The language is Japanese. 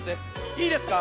いいですか？